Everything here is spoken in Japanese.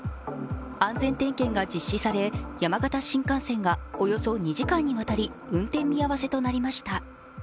安全点検が実施され、山形新幹線がおよそ２時間にわたり、運転見合わせとなりました。